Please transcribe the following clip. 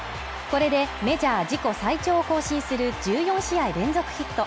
これでメジャー自己最長を更新する１４試合連続ヒット